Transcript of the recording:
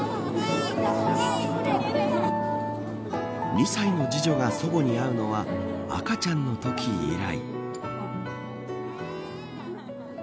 ２歳の次女が祖母に会うのは赤ちゃんのとき以来。